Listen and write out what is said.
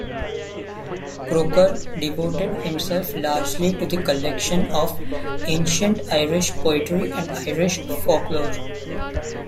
Croker devoted himself largely to the collection of ancient Irish poetry and Irish folklore.